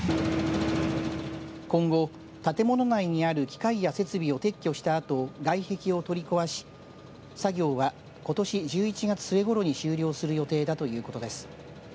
今後、建物内にある機械や設備を撤去したあと外壁を取り壊し作業は、ことし１１月末ごろに終了する予定だということです。